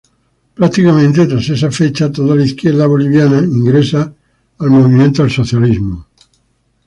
Prácticamente tras esa fecha toda la izquierda boliviana ingresa al Movimiento al Socialismo.